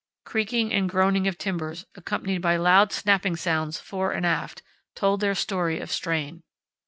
Creaking and groaning of timbers, accompanied by loud snapping sounds fore and aft, told their story of strain.